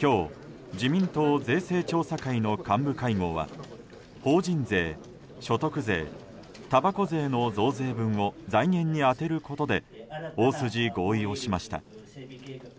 今日自民党税制調査会の幹部会合は法人税、所得税、たばこ税の増税分を財源に充てることで大筋合意をしました。